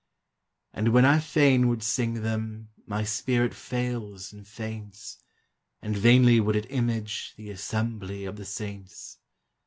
And when I fain would sing them, My spirit fails and faints; And vainly would it image The assembly of the Saints.